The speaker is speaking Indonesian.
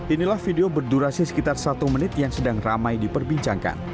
inilah video berdurasi sekitar satu menit yang sedang ramai diperbincangkan